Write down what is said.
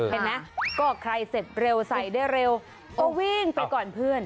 เห็นไหมก็ใครเสร็จเร็วใส่ได้เร็วก็วิ่งไปก่อนเพื่อน